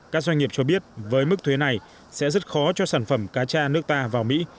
các doanh nghiệp cho biết với mức thuế này sẽ rất khó cho sản phẩm cá cha nước ta vào mỹ